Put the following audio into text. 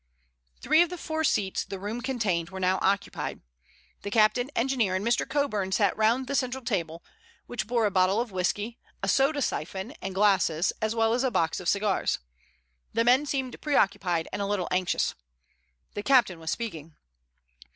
Three of the four seats the room contained were now occupied. The captain, engineer, and Mr. Coburn sat round the central table, which bore a bottle of whisky, a soda siphon and glasses, as well as a box of cigars. The men seemed preoccupied and a little anxious. The captain was speaking.